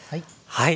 はい。